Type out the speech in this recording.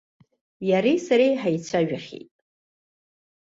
Иареи сареи ҳаицәажәахьеит.